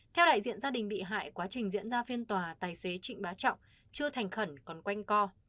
theo đại diện gia đình bị hại quá trình diễn ra phiên tòa tài xế trịnh bá trọng chưa thành khẩn còn quanh co